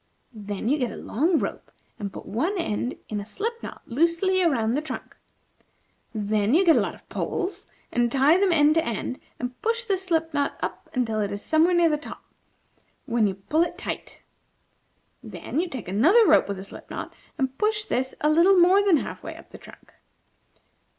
Then you get a long rope, and put one end in a slipknot loosely around the trunk. Then you get a lot of poles, and tie them end to end, and push this slip knot up until it is somewhere near the top, when you pull it tight. Then you take another rope with a slip knot, and push this a little more than half way up the trunk.